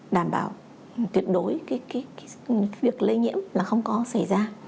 đảm bảo tuyệt đối cái việc lây nhiễm là không có xảy ra